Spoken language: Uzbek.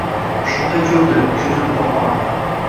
Shunda ko’rdi ko’zim bahorni